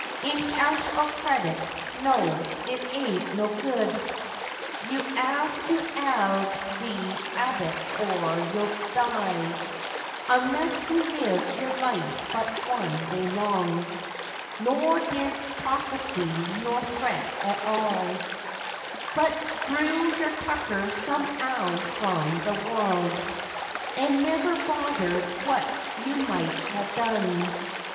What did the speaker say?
In cash or credit no, it ain't no good; You 'ave to 'ave the 'abit or you'd die, Unless you lived your life but one day long, Nor didn't prophesy nor fret at all, But drew your tucker some'ow from the world, An' never bothered what you might ha' done.